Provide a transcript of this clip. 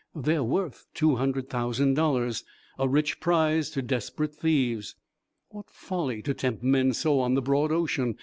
They are worth two hundred thousand dollars a rich prize to desperate thieves." "What folly to tempt men so on the broad ocean!"